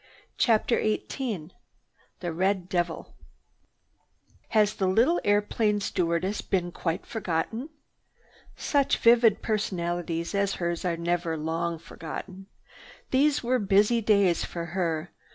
CHAPTER XVIII THE RED DEVIL Has the little airplane stewardess been quite forgotten? Such vivid personalities as hers are never long forgotten. These were busy days for her.